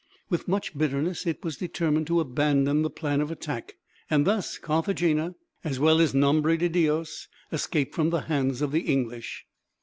With much bitterness, it was determined to abandon the plan of attack; and thus Carthagena, as well as Nombre de Dios, escaped from the hands of the English.